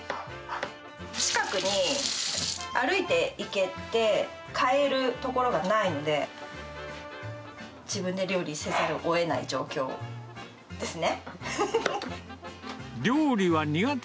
近くに歩いて行けて、買える所がないので、自分で料理せざるをえない状況ですね。